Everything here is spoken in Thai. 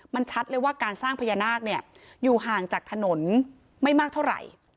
มันชัดเลยว่าการสร้างพญานาคเนี่ยอยู่ห่างจากถนนไม่มากเท่าไหร่